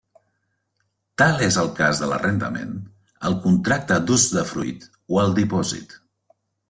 Tal és el cas de l'arrendament, el contracte d'usdefruit o el dipòsit.